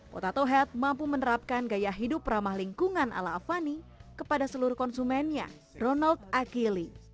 potato head mampu menerapkan gaya hidup ramah lingkungan ala avani kepada seluruh konsumennya ronald akili